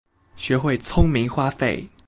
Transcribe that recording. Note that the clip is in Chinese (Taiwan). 學會聰明花費